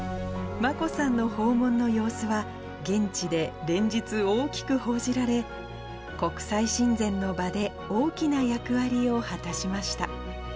眞子さんの訪問の様子は、現地で連日、大きく報じられ、国際親善の場で大きな役割を果たしました。